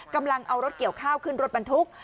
กำลังเอารถเกี่ยวข้าวขึ้นรถบรรทุก